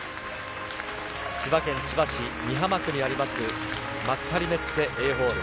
千葉県千葉市美浜区にあります幕張メッセＡホール。